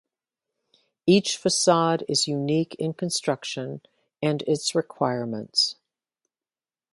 Each facade was unique in construction and its requirements.